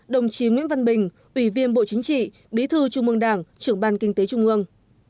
đồng chí nguyễn văn bình ủy viên bộ chính trị bí thư trung mương đảng trưởng ban kinh tế trung ương